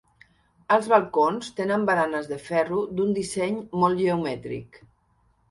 Els balcons tenen baranes de ferro d'un disseny molt geomètric.